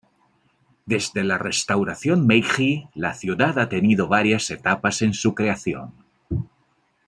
Desde la restauración Meiji la ciudad ha tenido varias etapas en su creación.